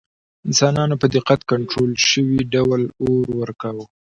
انسانانو په دقت کنټرول شوي ډول اور وکاراوه.